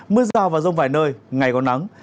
mưa rào vào rông vài nơi ngày còn nắng